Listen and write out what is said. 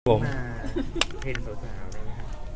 มาเทรนโซทาลไหมครับ